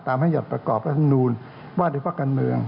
ตามให้หยอดประกอบรัฐธรรมนุนวัฒนภกรรมเมือง